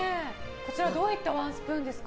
こちらどういったワンスプーンですか？